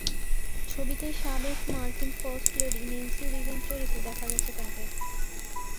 ছবিতে সাবেক মার্কিন ফার্স্ট লেডি ন্যান্সি রিগ্যান চরিত্রে দেখা গেছে তাঁকে।